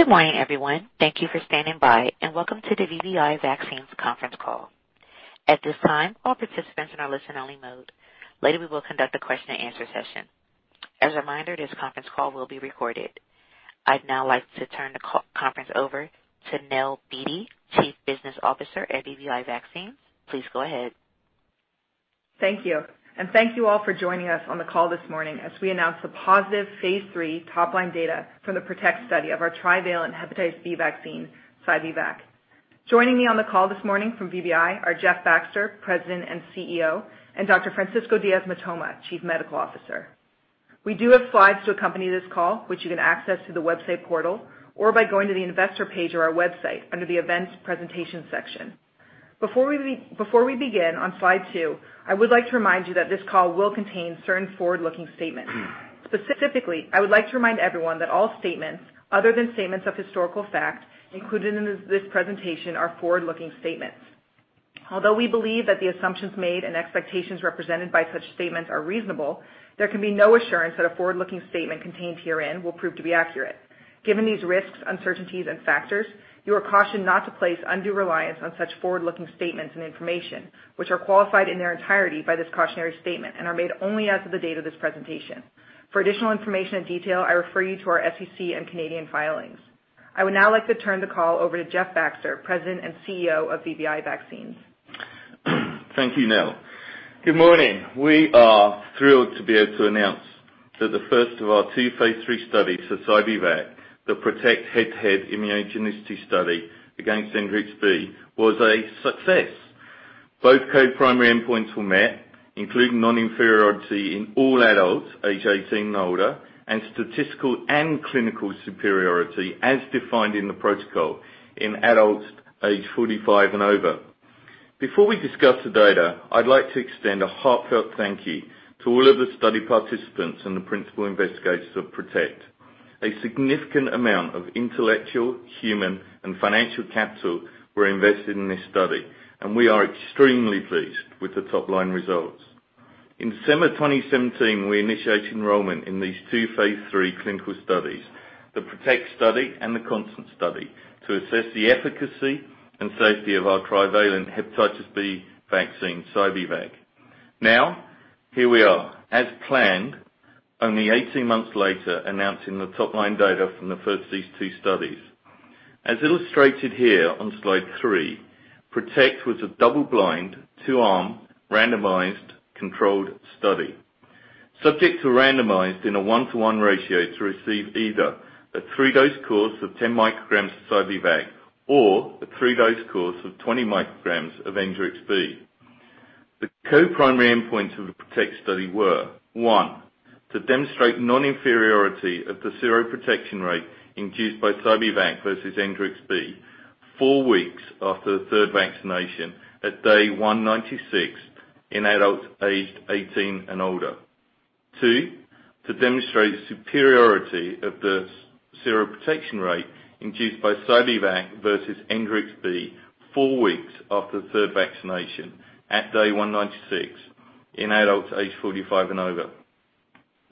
Good morning, everyone. Thank you for standing by, welcome to the VBI Vaccines conference call. At this time, all participants are in listen only mode. Later, we will conduct a question and answer session. As a reminder, this conference call will be recorded. I'd now like to turn the conference over to Nell Beattie, Chief Business Officer at VBI Vaccines. Please go ahead. Thank you. Thank you all for joining us on the call this morning as we announce the positive phase III top-line data from the PROTECT study of our trivalent hepatitis B vaccine, Sci-B-Vac. Joining me on the call this morning from VBI are Jeff Baxter, President and CEO, and Dr. Francisco Diaz-Mitoma, Chief Medical Officer. We do have slides to accompany this call, which you can access through the website portal or by going to the investor page or our website under the events presentation section. Before we begin, on slide two, I would like to remind you that this call will contain certain forward-looking statements. Specifically, I would like to remind everyone that all statements, other than statements of historical fact included in this presentation, are forward-looking statements. Although we believe that the assumptions made and expectations represented by such statements are reasonable, there can be no assurance that a forward-looking statement contained herein will prove to be accurate. Given these risks, uncertainties, and factors, you are cautioned not to place undue reliance on such forward-looking statements and information, which are qualified in their entirety by this cautionary statement and are made only as of the date of this presentation. For additional information and detail, I refer you to our SEC and Canadian filings. I would now like to turn the call over to Jeff Baxter, President and CEO of VBI Vaccines. Thank you, Nell. Good morning. We are thrilled to be able to announce that the first of our two phase III studies for Sci-B-Vac, the PROTECT head-to-head immunogenicity study against Engerix-B, was a success. Both co-primary endpoints were met, including non-inferiority in all adults age 18 and older, and statistical and clinical superiority as defined in the protocol in adults aged 45 and over. Before we discuss the data, I'd like to extend a heartfelt thank you to all of the study participants and the principal investigators of PROTECT. A significant amount of intellectual, human, and financial capital were invested in this study, we are extremely pleased with the top-line results. In December 2017, we initiated enrollment in these two phase III clinical studies, the PROTECT study and the CONSTANT study, to assess the efficacy and safety of our trivalent hepatitis B vaccine, Sci-B-Vac. Here we are, as planned, only 18 months later, announcing the top-line data from the first of these two studies. As illustrated here on slide three, PROTECT was a double-blind, two-arm, randomized, controlled study. Subjects were randomized in a one-to-one ratio to receive either a three-dose course of 10 micrograms of Sci-B-Vac or a three-dose course of 20 micrograms of Engerix-B. The co-primary endpoints of the PROTECT study were, one, to demonstrate non-inferiority of the seroprotection rate induced by Sci-B-Vac versus Engerix-B four weeks after the third vaccination at day 196 in adults aged 18 and older. Two, to demonstrate superiority of the seroprotection rate induced by Sci-B-Vac versus Engerix-B four weeks after the third vaccination at day 196 in adults aged 45 and over.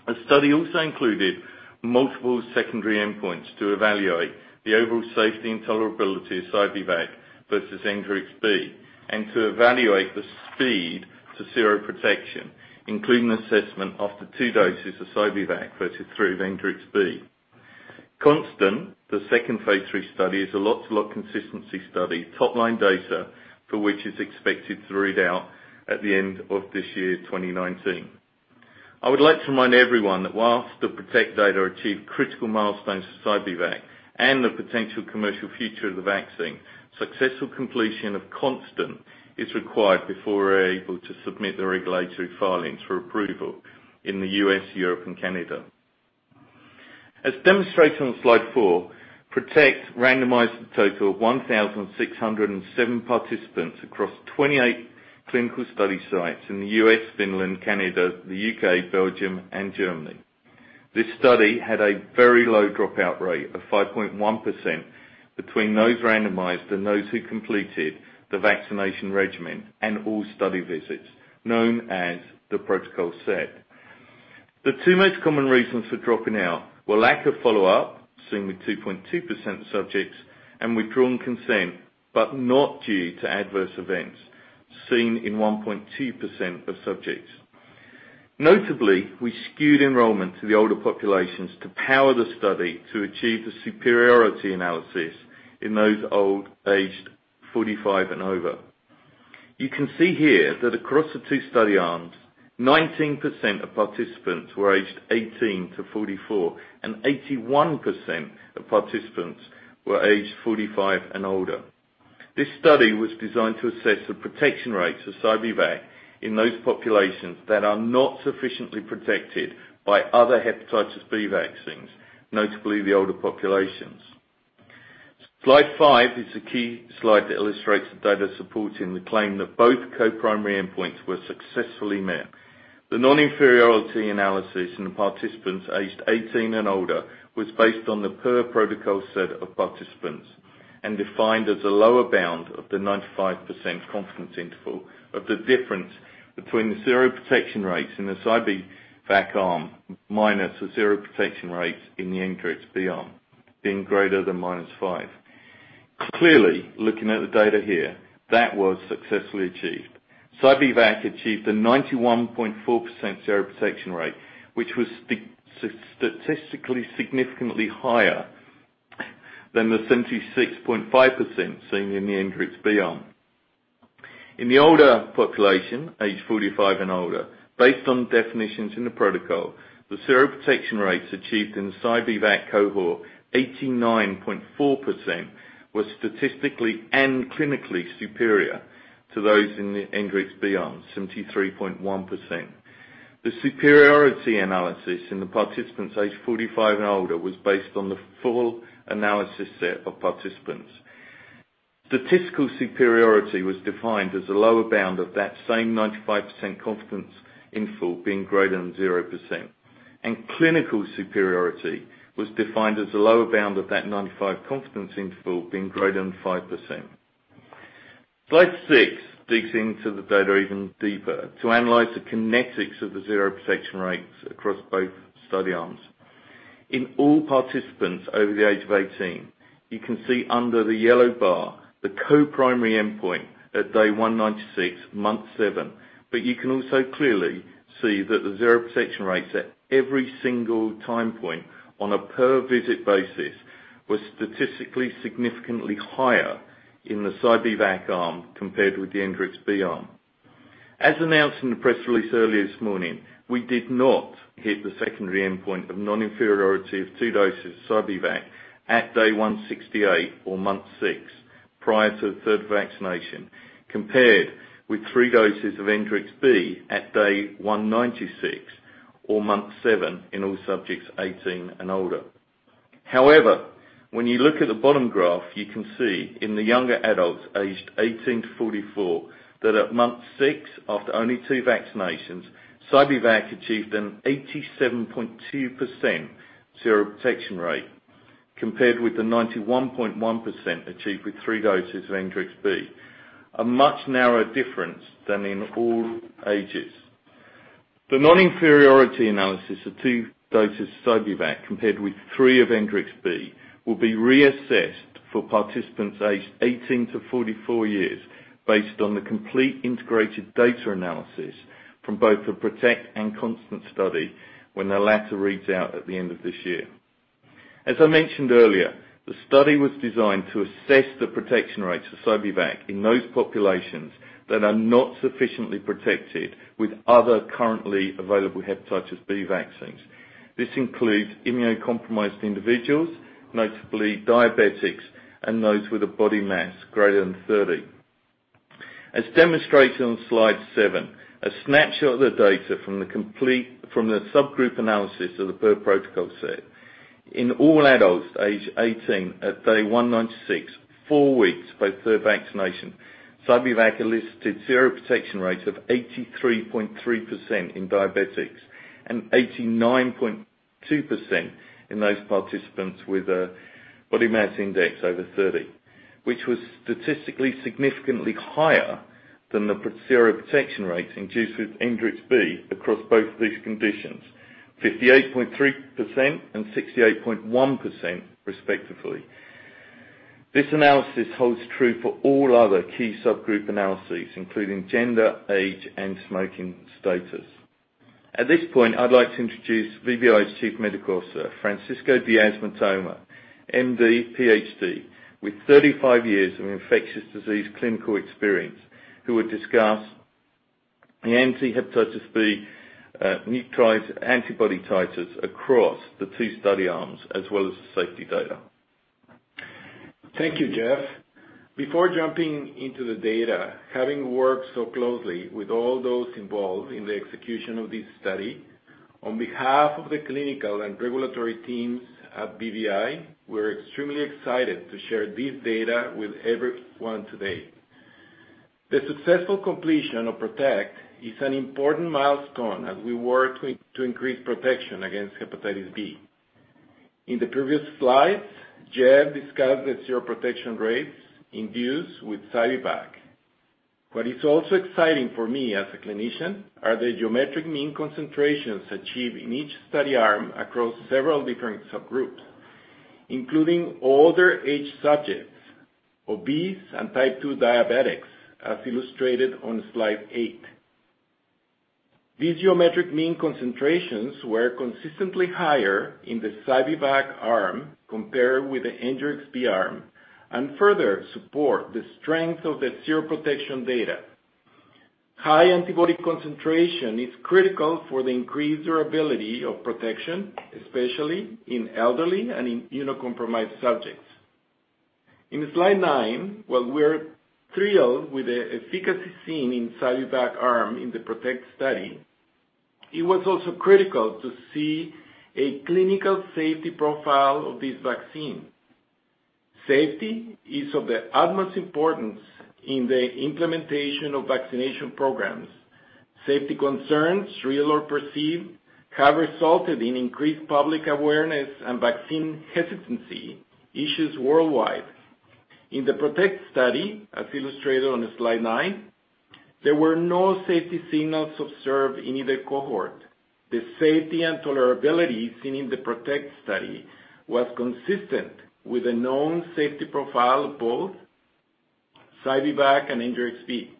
The study also included multiple secondary endpoints to evaluate the overall safety and tolerability of Sci-B-Vac versus Engerix-B and to evaluate the speed to seroprotection, including assessment after two doses of Sci-B-Vac versus three of Engerix-B. CONSTANT, the second phase III study, is a lot-to-lot consistency study, top-line data for which is expected to read out at the end of this year, 2019. I would like to remind everyone that whilst the PROTECT data achieved critical milestones for Sci-B-Vac and the potential commercial future of the vaccine, successful completion of CONSTANT is required before we're able to submit the regulatory filings for approval in the U.S., Europe, and Canada. As demonstrated on slide four, PROTECT randomized a total of 1,607 participants across 28 clinical study sites in the U.S., Finland, Canada, the U.K., Belgium, and Germany. This study had a very low dropout rate of 5.1% between those randomized and those who completed the vaccination regimen and all study visits, known as the per-protocol set. The two most common reasons for dropping out were lack of follow-up, seen with 2.2% of subjects, and withdrawn consent, but not due to adverse events, seen in 1.2% of subjects. Notably, we skewed enrollment to the older populations to power the study to achieve the superiority analysis in those aged 45 and over. You can see here that across the two study arms, 19% of participants were aged 18 to 44, and 81% of participants were aged 45 and older. This study was designed to assess the protection rates of Sci-B-Vac in those populations that are not sufficiently protected by other hepatitis B vaccines, notably the older populations. Slide five is a key slide that illustrates the data supporting the claim that both co-primary endpoints were successfully met. The non-inferiority analysis in the participants aged 18 and older was based on the per-protocol set of participants and defined as a lower bound of the 95% confidence interval of the difference between the seroprotection rates in the Sci-B-Vac arm minus the seroprotection rates in the Engerix-B arm being greater than minus five. Clearly, looking at the data here, that was successfully achieved. Sci-B-Vac achieved a 91.4% seroprotection rate, which was statistically significantly higher than the 76.5% seen in the Engerix-B arm. In the older population, aged 45 and older, based on definitions in the protocol, the seroprotection rates achieved in Sci-B-Vac cohort, 89.4%, was statistically and clinically superior to those in the Engerix-B arm, 73.1%. The superiority analysis in the participants aged 45 and older was based on the full analysis set of participants. Statistical superiority was defined as the lower bound of that same 95% confidence interval being greater than 0%. Clinical superiority was defined as the lower bound of that 95% confidence interval being greater than 5%. Slide seven digs into the data even deeper to analyze the kinetics of the seroprotection rates across both study arms. In all participants over the age of 18, you can see under the yellow bar, the co-primary endpoint at day 196, month seven. You can also clearly see that the seroprotection rates at every single time point on a per visit basis was statistically significantly higher in the Sci-B-Vac arm compared with the Engerix-B arm. As announced in the press release earlier this morning, we did not hit the secondary endpoint of non-inferiority of two doses of Sci-B-Vac at day 168 or month six, prior to the third vaccination, compared with three doses of Engerix-B at day 196 or month seven in all subjects 18 and older. When you look at the bottom graph, you can see in the younger adults aged 18 to 44, that at month six, after only two vaccinations, Sci-B-Vac achieved an 87.2% seroprotection rate compared with the 91.1% achieved with three doses of Engerix-B. A much narrower difference than in all ages. The non-inferiority analysis of two doses Sci-B-Vac compared with three of Engerix-B will be reassessed for participants aged 18 to 44 years based on the complete integrated data analysis from both the PROTECT and CONSTANT study when the latter reads out at the end of this year. As I mentioned earlier, the study was designed to assess the protection rates for Sci-B-Vac in those populations that are not sufficiently protected with other currently available hepatitis B vaccines. This includes immunocompromised individuals, notably diabetics, and those with a body mass greater than 30. As demonstrated on slide seven, a snapshot of the data from the subgroup analysis of the per-protocol set. In all adults aged 18 at day 196, four weeks by third vaccination, Sci-B-Vac elicited seroprotection rates of 83.3% in diabetics and 89.2% in those participants with a body mass index over 30, which was statistically significantly higher than the seroprotection rates induced with Engerix-B across both of these conditions, 58.3% and 68.1% respectively. This analysis holds true for all other key subgroup analyses, including gender, age, and smoking status. At this point, I'd like to introduce VBI's Chief Medical Officer, Francisco Diaz-Mitoma, M.D., Ph.D., with 35 years of infectious disease clinical experience, who will discuss the anti-hepatitis B antibody titers across the two study arms, as well as the safety data. Thank you, Jeff. Before jumping into the data, having worked so closely with all those involved in the execution of this study, on behalf of the clinical and regulatory teams at VBI, we're extremely excited to share this data with everyone today. The successful completion of PROTECT is an important milestone as we work to increase protection against hepatitis B. In the previous slides, Jeff discussed the seroprotection rates induced with Sci-B-Vac. What is also exciting for me as a clinician are the geometric mean concentrations achieved in each study arm across several different subgroups, including older age subjects, obese, and type 2 diabetics, as illustrated on slide eight. These geometric mean concentrations were consistently higher in the Sci-B-Vac arm compared with the Engerix-B arm, and further support the strength of the seroprotection data. High antibody concentration is critical for the increased durability of protection, especially in elderly and in immunocompromised subjects. In slide nine, while we're thrilled with the efficacy seen in Sci-B-Vac arm in the PROTECT study, it was also critical to see a clinical safety profile of this vaccine. Safety is of the utmost importance in the implementation of vaccination programs. Safety concerns, real or perceived, have resulted in increased public awareness and vaccine hesitancy issues worldwide. In the PROTECT study, as illustrated on slide nine, there were no safety signals observed in either cohort. The safety and tolerability seen in the PROTECT study was consistent with a known safety profile, both Sci-B-Vac and Engerix-B.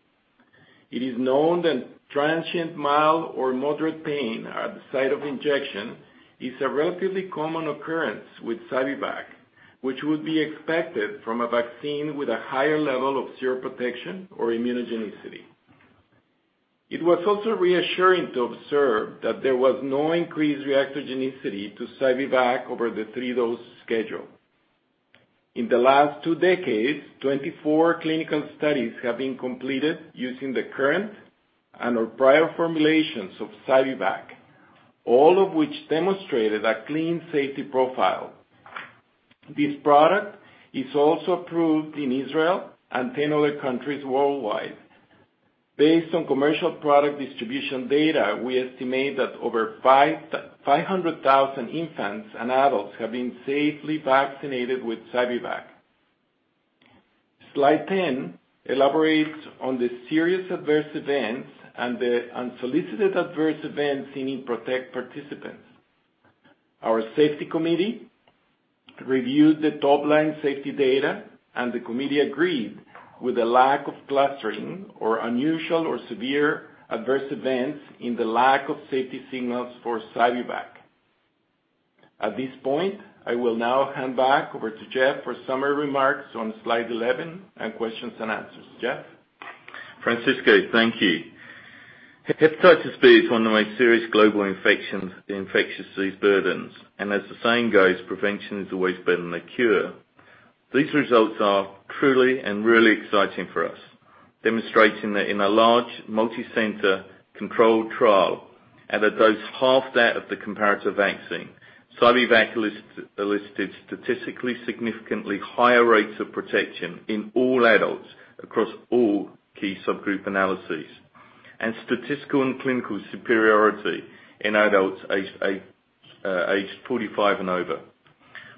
It is known that transient mild or moderate pain at the site of injection is a relatively common occurrence with Sci-B-Vac, which would be expected from a vaccine with a higher level of seroprotection or immunogenicity. It was also reassuring to observe that there was no increased reactogenicity to Sci-B-Vac over the three-dose schedule. In the last two decades, 24 clinical studies have been completed using the current and/or prior formulations of Sci-B-Vac, all of which demonstrated a clean safety profile. This product is also approved in Israel and 10 other countries worldwide. Based on commercial product distribution data, we estimate that over 500,000 infants and adults have been safely vaccinated with Sci-B-Vac. Slide 10 elaborates on the serious adverse events and the unsolicited adverse events seen in PROTECT participants. Our safety committee reviewed the top-line safety data, and the committee agreed with the lack of clustering or unusual or severe adverse events in the lack of safety signals for Sci-B-Vac. At this point, I will now hand back over to Jeff for summary remarks on slide 11 and questions and answers. Jeff? Francisco, thank you. Hepatitis B is one of the most serious global infectious disease burdens, as the saying goes, prevention is always better than the cure. These results are truly and really exciting for us, demonstrating that in a large, multi-center controlled trial, at a dose half that of the comparative vaccine, Sci-B-Vac elicited statistically significantly higher rates of protection in all adults across all key subgroup analyses, and statistical and clinical superiority in adults age 45 and over.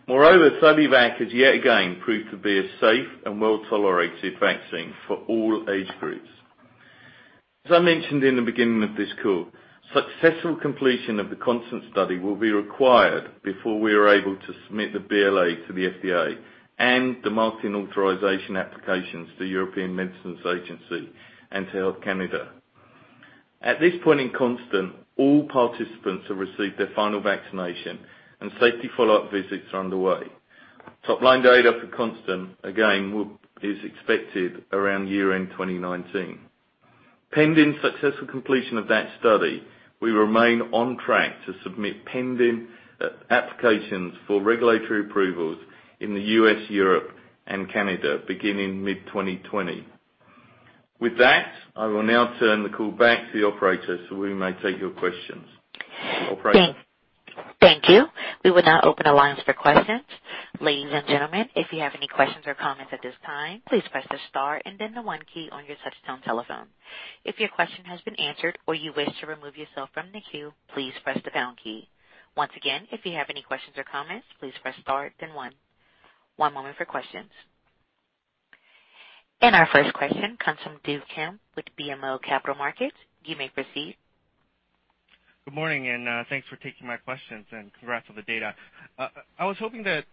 Moreover, Sci-B-Vac has yet again proved to be a safe and well-tolerated vaccine for all age groups. As I mentioned in the beginning of this call, successful completion of the CONSTANT study will be required before we are able to submit the BLA to the FDA and the Marketing Authorisation Applications to European Medicines Agency and to Health Canada. At this point in CONSTANT, all participants have received their final vaccination, and safety follow-up visits are underway. Top-line data for CONSTANT, again, is expected around year-end 2019. Pending successful completion of that study, we remain on track to submit pending applications for regulatory approvals in the U.S., Europe, and Canada beginning mid-2020. With that, I will now turn the call back to the operator, so we may take your questions. Operator? Thank you. We will now open the lines for questions. Ladies and gentlemen, if you have any questions or comments at this time, please press the star and then the one key on your touchtone telephone. If your question has been answered or you wish to remove yourself from the queue, please press the pound key. Once again, if you have any questions or comments, please press star then one. One moment for questions. Our first question comes from Do-Kyun Kim with BMO Capital Markets. You may proceed. Good morning, thanks for taking my questions, and congrats on the data. I was hoping that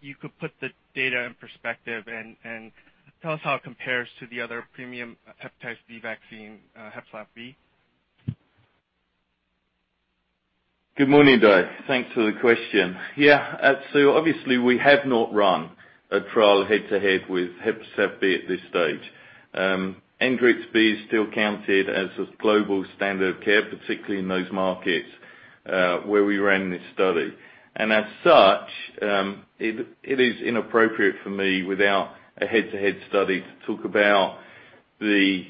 you could put the data in perspective and tell us how it compares to the other premium hepatitis B vaccine, HEPLISAV-B. Good morning, Duke. Thanks for the question. Yeah. Obviously, we have not run a trial head-to-head with HEPLISAV-B at this stage. Engerix-B is still counted as the global standard of care, particularly in those markets where we ran this study. As such, it is inappropriate for me, without a head-to-head study, to talk about the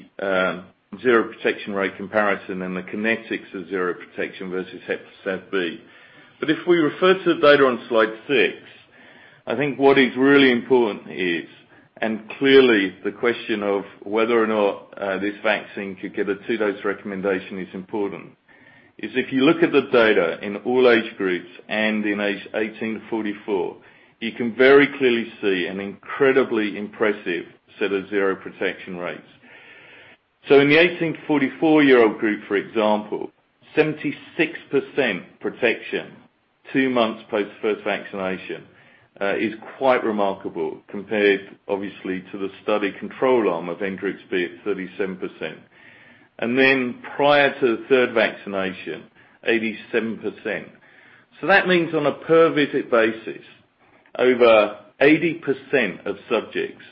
seroprotection rate comparison and the kinetics of seroprotection versus HEPLISAV-B. If we refer to the data on slide six, I think what is really important is, clearly the question of whether or not this vaccine could get a two-dose recommendation is important, is if you look at the data in all age groups and in age 18 to 44, you can very clearly see an incredibly impressive set of seroprotection rates. In the 18 to 44-year-old group, for example, 76% protection two months post first vaccination is quite remarkable compared, obviously, to the study control arm of Engerix-B at 37%. Prior to the third vaccination, 87%. That means on a per visit basis, over 80% of subjects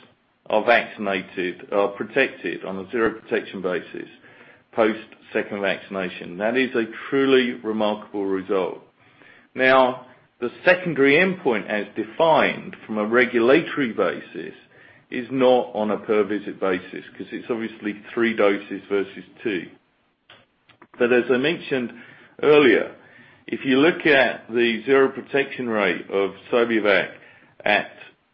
are protected on a seroprotection basis post second vaccination. That is a truly remarkable result. The secondary endpoint as defined from a regulatory basis is not on a per visit basis because it's obviously three doses versus two. As I mentioned earlier, if you look at the seroprotection rate of Sci-B-Vac at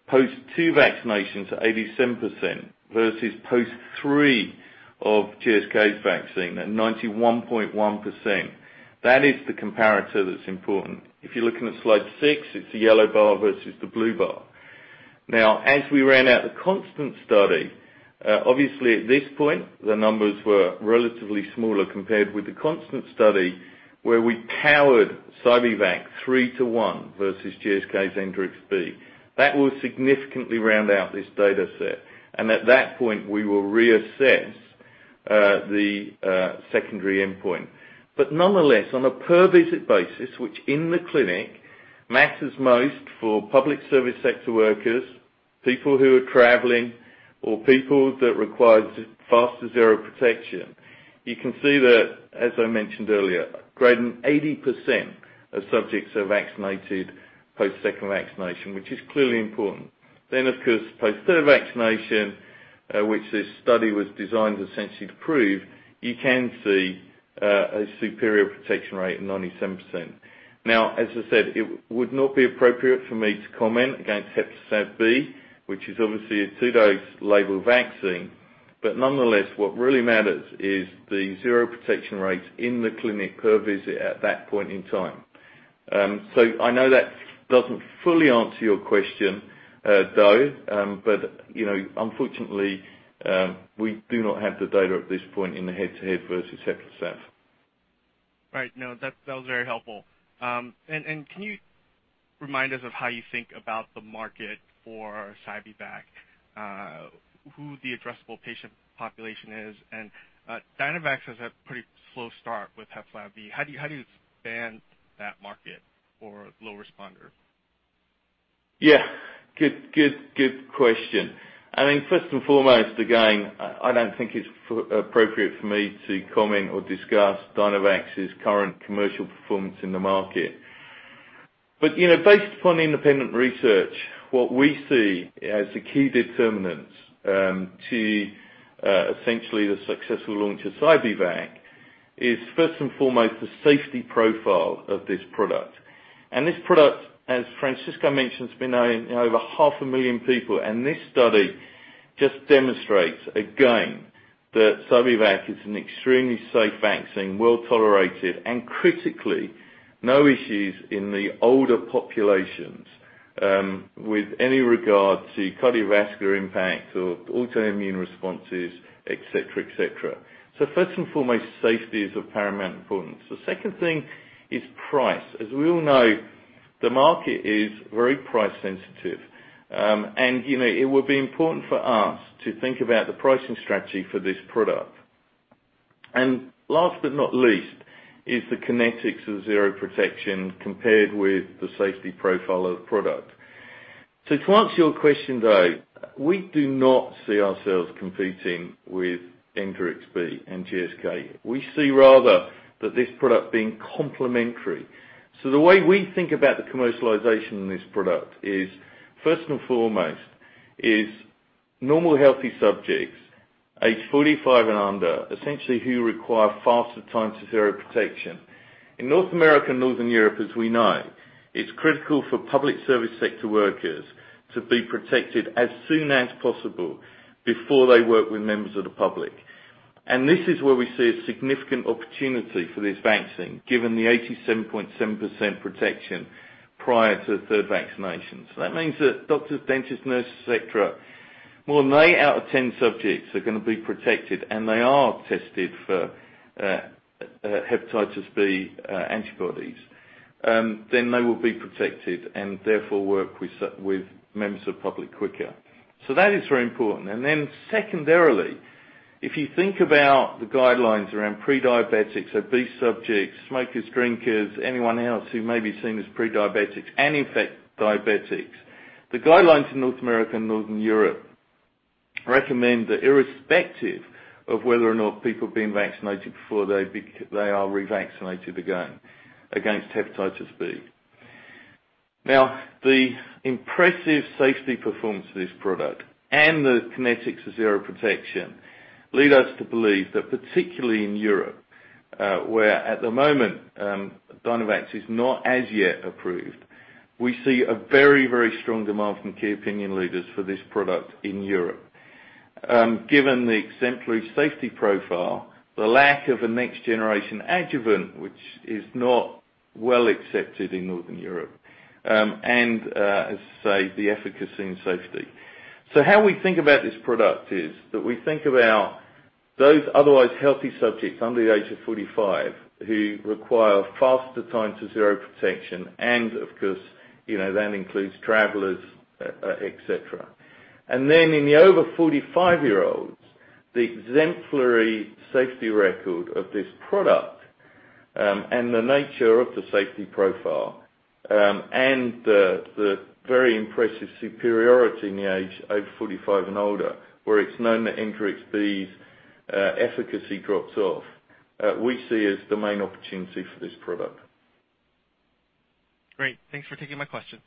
post two vaccinations, 87%, versus post three of GSK's vaccine at 91.1%. That is the comparator that's important. If you're looking at slide six, it's the yellow bar versus the blue bar. As we ran out the CONSTANT study, obviously at this point, the numbers were relatively smaller compared with the CONSTANT study, where we powered Sci-B-Vac 3 to 1 versus GSK's Engerix-B. That will significantly round out this data set. At that point, we will reassess the secondary endpoint. Nonetheless, on a per-visit basis, which in the clinic matters most for public service sector workers, people who are traveling, or people that require faster seroprotection, you can see that, as I mentioned earlier, greater than 80% of subjects are vaccinated post second vaccination, which is clearly important. Of course, post third vaccination, which this study was designed essentially to prove, you can see a superior protection rate of 97%. As I said, it would not be appropriate for me to comment against HEPLISAV-B, which is obviously a two-dose label vaccine. Nonetheless, what really matters is the seroprotection rates in the clinic per visit at that point in time. I know that doesn't fully answer your question, Do, but unfortunately, we do not have the data at this point in the head-to-head versus HEPLISAV-B. Right. No, that was very helpful. Can you remind us of how you think about the market for Sci-B-Vac, who the addressable patient population is? Dynavax has had a pretty slow start with HEPLISAV-B. How do you expand that market for low responder? Good question. First and foremost, again, I don't think it's appropriate for me to comment or discuss Dynavax's current commercial performance in the market. Based upon independent research, what we see as the key determinants to essentially the successful launch of Sci-B-Vac is, first and foremost, the safety profile of this product. This product, as Francisco mentioned, has been in over half a million people, and this study just demonstrates again that Sci-B-Vac is an extremely safe vaccine, well-tolerated, and critically, no issues in the older populations with any regard to cardiovascular impact or autoimmune responses, et cetera. First and foremost, safety is of paramount importance. The second thing is price. As we all know, the market is very price sensitive. It will be important for us to think about the pricing strategy for this product. Last but not least, is the kinetics of seroprotection compared with the safety profile of product. To answer your question, though, we do not see ourselves competing with Engerix-B and GSK. We see rather that this product being complementary. The way we think about the commercialization of this product is, first and foremost, is normal healthy subjects age 45 and under, essentially who require faster time to seroprotection. In North America and Northern Europe, as we know, it's critical for public service sector workers to be protected as soon as possible before they work with members of the public. This is where we see a significant opportunity for this vaccine, given the 87.7% protection prior to the third vaccination. That means that doctors, dentists, nurses, et cetera, more than nine out of 10 subjects are going to be protected, and they are tested for hepatitis B antibodies, then they will be protected and therefore work with members of the public quicker. That is very important. Secondarily, if you think about the guidelines around pre-diabetics, obese subjects, smokers, drinkers, anyone else who may be seen as pre-diabetics, and in fact, diabetics, the guidelines in North America and Northern Europe recommend that irrespective of whether or not people have been vaccinated before, they are revaccinated again against hepatitis B. The impressive safety performance of this product and the kinetics of seroprotection lead us to believe that particularly in Europe, where at the moment Dynavax is not as yet approved, we see a very strong demand from key opinion leaders for this product in Europe. Given the exemplary safety profile, the lack of a next generation adjuvant, which is not well accepted in Northern Europe, and as I say, the efficacy and safety. How we think about this product is that we think about those otherwise healthy subjects under the age of 45 who require faster time to seroprotection, and of course, that includes travelers, et cetera. In the over 45-year-olds, the exemplary safety record of this product, and the nature of the safety profile, and the very impressive superiority in the age over 45 and older, where it's known that Engerix-B's efficacy drops off, we see as the main opportunity for this product. Great. Thanks for taking my question.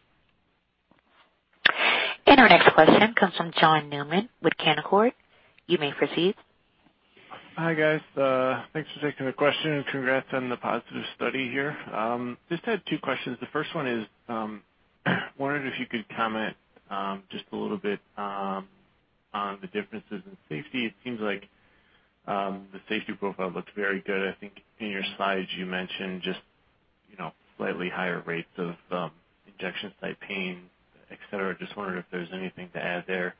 Our next question comes from John Newman with Canaccord. You may proceed. Hi, guys. Thanks for taking the question. Congrats on the positive study here. Just had two questions. The first one is, wondered if you could comment just a little bit on the differences in safety. It seems like the safety profile looks very good. I think in your slides you mentioned just slightly higher rates of injection site pain, et cetera. Just wondered if there's anything to add there.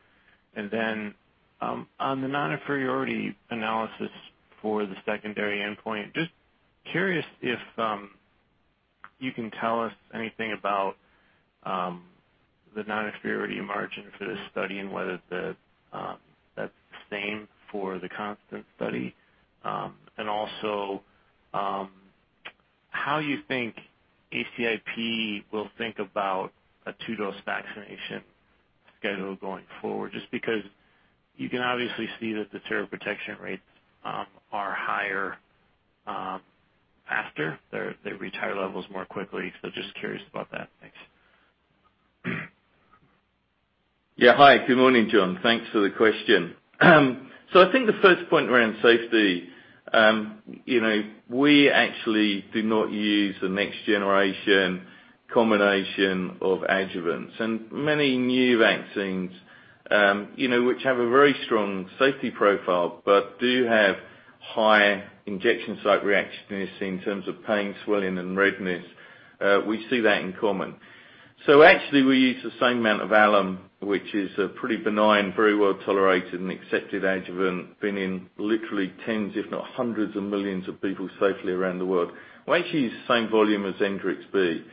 Then, on the non-inferiority analysis for the secondary endpoint, just curious if you can tell us anything about the non-inferiority margin for this study and whether that's the same for the CONSTANT study. Also, how you think ACIP will think about a two-dose vaccination schedule going forward, just because you can obviously see that the seroprotection rates are higher after. They reach higher levels more quickly. Just curious about that. Thanks. Yeah. Hi, good morning, John. Thanks for the question. I think the first point around safety, we actually do not use the next generation combination of adjuvants and many new vaccines which have a very strong safety profile but do have higher injection site reaction in terms of pain, swelling, and redness. We see that in common. Actually, we use the same amount of alum, which is a pretty benign, very well-tolerated and accepted adjuvant, been in literally tens if not hundreds of millions of people safely around the world. We actually use the same volume as Engerix-B.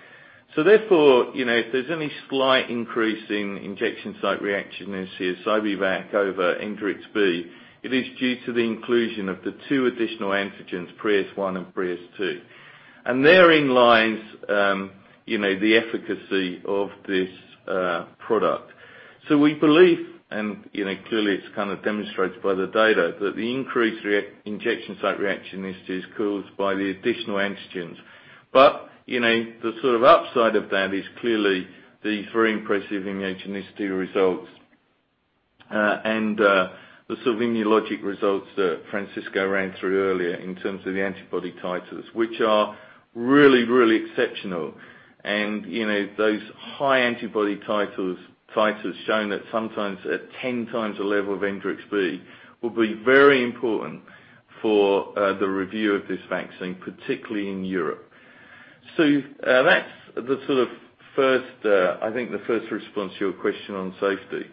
Therefore, if there's any slight increase in injection site reaction in Sci-B-Vac over Engerix-B, it is due to the inclusion of the two additional antigens, Pre-S1 and Pre-S2. Therein lies the efficacy of this product. We believe, and clearly it's kind of demonstrated by the data, that the increased injection site reaction is just caused by the additional antigens. The sort of upside of that is clearly these very impressive immunogenicity results, the sort of immunologic results that Francisco Diaz-Mitoma ran through earlier in terms of the antibody titers, which are really, really exceptional. Those high antibody titers shown that sometimes at 10 times the level of Engerix-B, will be very important for the review of this vaccine, particularly in Europe. That's the sort of first, I think, the first response to your question on safety.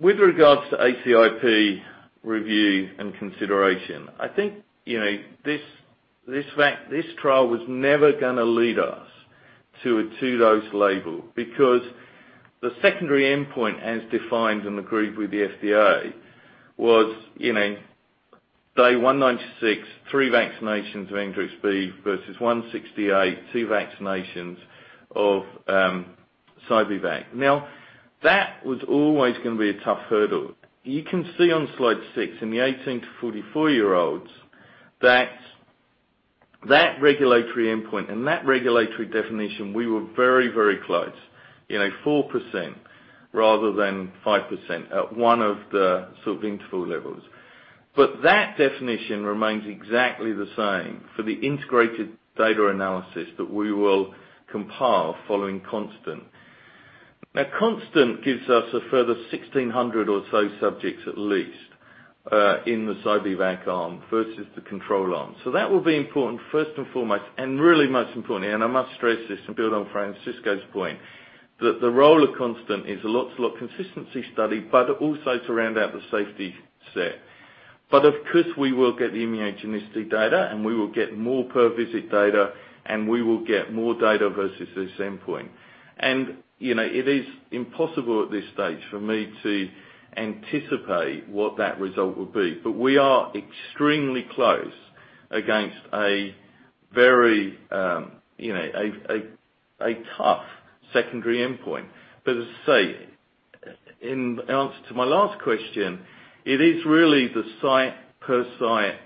With regards to ACIP review and consideration, I think this trial was never going to lead us to a two-dose label because the secondary endpoint as defined and agreed with the FDA was day 196, three vaccinations of Engerix-B versus 168, two vaccinations of Sci-B-Vac. That was always going to be a tough hurdle. You can see on slide six in the 18 to 44-year-olds that regulatory endpoint and that regulatory definition, we were very, very close, 4% rather than 5% at one of the sort of interval levels. That definition remains exactly the same for the integrated data analysis that we will compile following CONSTANT. CONSTANT gives us a further 1,600 or so subjects at least, in the Sci-B-Vac arm versus the control arm. That will be important, first and foremost, and really most importantly, I must stress this and build on Francisco Diaz-Mitoma's point, that the role of CONSTANT is a lot-to-lot consistency study, but also to round out the safety set. Of course, we will get the immunogenicity data, we will get more per visit data, we will get more data versus this endpoint. It is impossible at this stage for me to anticipate what that result will be. We are extremely close against a very tough secondary endpoint. As I say, in answer to my last question, it is really the site per site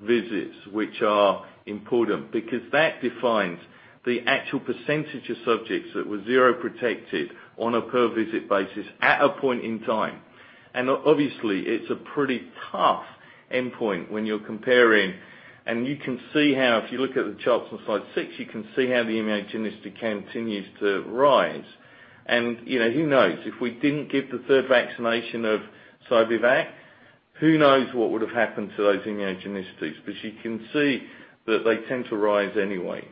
visits which are important because that defines the actual percentage of subjects that were seroprotected on a per visit basis at a point in time. Obviously, it's a pretty tough endpoint when you're comparing. You can see how, if you look at the charts on slide six, you can see how the immunogenicity continues to rise. Who knows, if we didn't give the third vaccination of Sci-B-Vac, who knows what would have happened to those immunogenicities. You can see that they tend to rise anyway.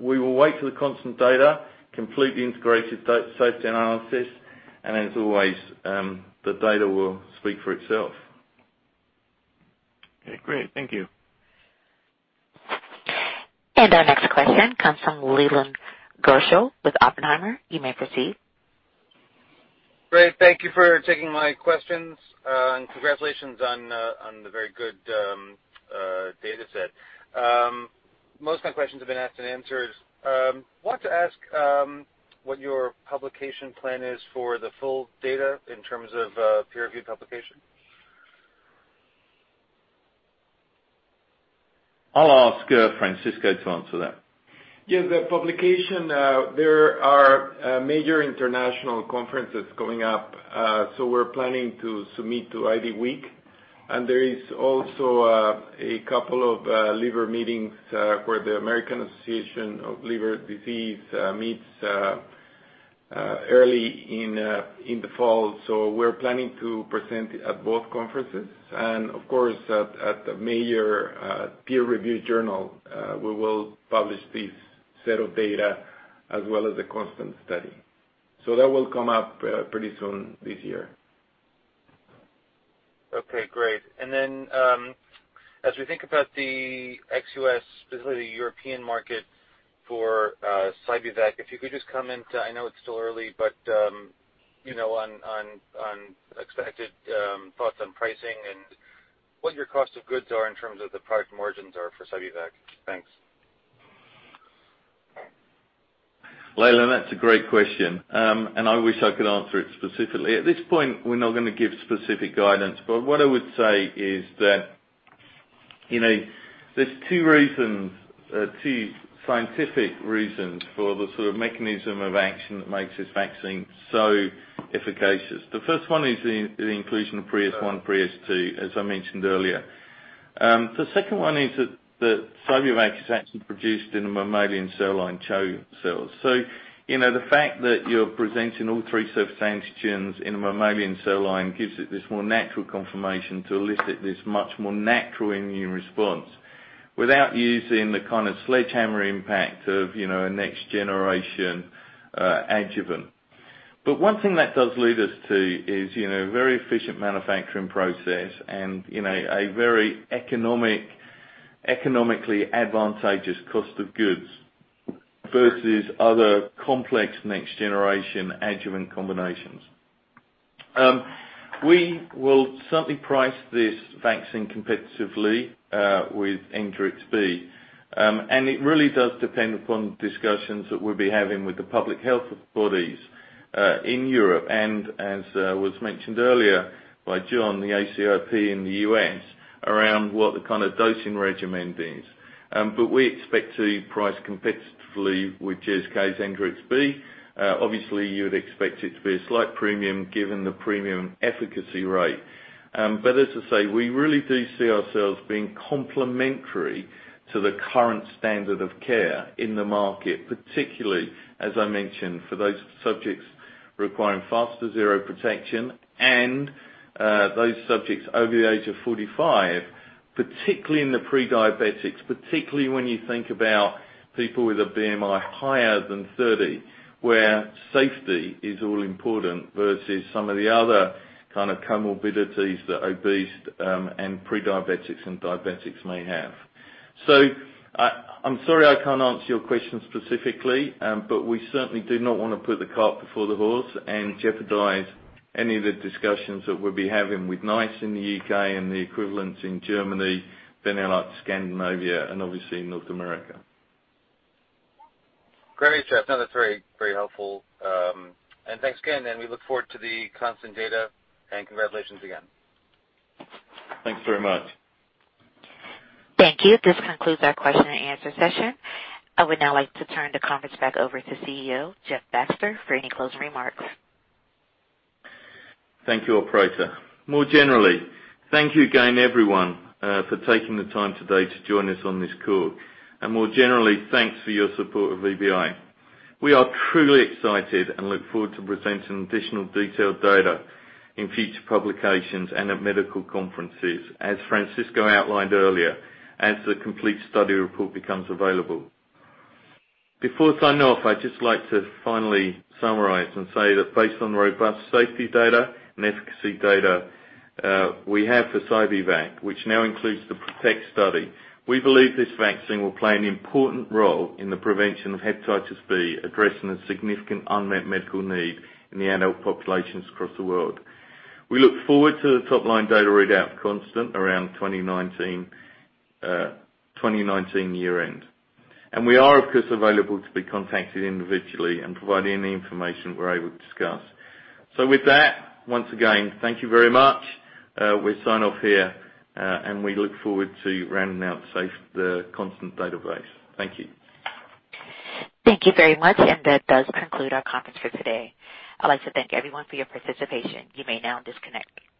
We will wait for the CONSTANT data, complete the integrated safety analysis, as always, the data will speak for itself. Okay, great. Thank you. Our next question comes from Leland Gershell with Oppenheimer. You may proceed. Great. Thank you for taking my questions. Congratulations on the very good data set. Most of my questions have been asked and answered. Wanted to ask what your publication plan is for the full data in terms of peer-reviewed publication. I'll ask Francisco to answer that. Yes, the publication, there are major international conferences coming up. We're planning to submit to IDWeek. There is also a couple of liver meetings where the American Association for the Study of Liver Diseases meets early in the fall. We're planning to present at both conferences. Of course, at the major peer review journal, we will publish this set of data as well as the CONSTANT study. That will come up pretty soon this year. Okay, great. As we think about the ex-U.S., specifically the European market for Sci-B-Vac, if you could just comment, I know it's still early, but on expected thoughts on pricing and what your cost of goods are in terms of the product margins are for Sci-B-Vac. Thanks. Leland, that's a great question, and I wish I could answer it specifically. At this point, we're not going to give specific guidance. What I would say is that, there's two scientific reasons for the sort of mechanism of action that makes this vaccine so efficacious. The first one is the inclusion of Pre-S1, Pre-S2, as I mentioned earlier. The second one is that Sci-B-Vac is actually produced in a mammalian cell line, CHO cells. The fact that you're presenting all three surface antigens in a mammalian cell line gives it this more natural confirmation to elicit this much more natural immune response without using the kind of sledgehammer impact of a next generation adjuvant. One thing that does lead us to is very efficient manufacturing process and a very economically advantageous cost of goods versus other complex next generation adjuvant combinations. We will certainly price this vaccine competitively with Engerix-B. It really does depend upon discussions that we'll be having with the public health bodies in Europe, and as was mentioned earlier by John, the ACIP in the U.S., around what the kind of dosing regimen is. We expect to price competitively with GSK's Engerix-B. Obviously, you would expect it to be a slight premium given the premium efficacy rate. As I say, we really do see ourselves being complementary to the current standard of care in the market, particularly, as I mentioned, for those subjects requiring faster seroprotection and those subjects over the age of 45, particularly in the pre-diabetics, particularly when you think about people with a BMI higher than 30, where safety is all important versus some of the other kind of comorbidities that obese and pre-diabetics and diabetics may have. I am sorry I cannot answer your question specifically, but we certainly do not want to put the cart before the horse and jeopardize any of the discussions that we will be having with NICE in the U.K. and the equivalents in Germany, Benelux, Scandinavia, and obviously North America. Great, Jeff. No, that is very helpful. Thanks again, we look forward to the CONSTANT data, and congratulations again. Thanks very much. Thank you. This concludes our question and answer session. I would now like to turn the conference back over to CEO, Jeff Baxter, for any close remarks. Thank you, operator. More generally, thank you again, everyone, for taking the time today to join us on this call. More generally, thanks for your support of VBI. We are truly excited and look forward to presenting additional detailed data in future publications and at medical conferences, as Francisco outlined earlier, as the complete study report becomes available. Before I sign off, I'd just like to finally summarize and say that based on robust safety data and efficacy data we have for Sci-B-Vac, which now includes the PROTECT study, we believe this vaccine will play an important role in the prevention of hepatitis B, addressing a significant unmet medical need in the adult populations across the world. We look forward to the top-line data readout for CONSTANT around 2019 year end. We are, of course, available to be contacted individually and provide any information we're able to discuss. With that, once again, thank you very much. We sign off here, and we look forward to rounding out the CONSTANT database. Thank you. Thank you very much. That does conclude our conference for today. I'd like to thank everyone for your participation. You may now disconnect.